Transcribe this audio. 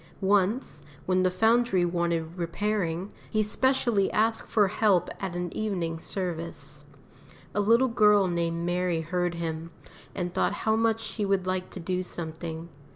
Once, when the Foundry wanted repairing, he specially asked for help at an evening service. A little girl named Mary heard him, and thought how much she would like to do something.